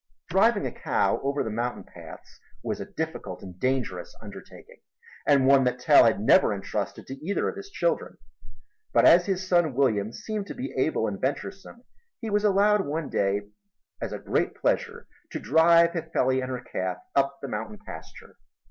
Driving a cow over the mountain paths was a difficult and dangerous undertaking, and one that Tell had never entrusted to either of his children, but as his son William seemed to be able and venturesome he was allowed one day as a great pleasure to drive Hifeli and her calf up to the mountain pasture.